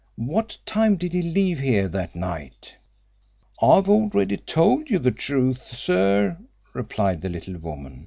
What time did he leave here that night?" "I've already told you the truth, sir," replied the little woman.